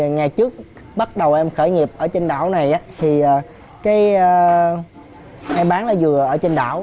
ngày trước bắt đầu em khởi nghiệp ở trên đảo này thì em bán lá dừa ở trên đảo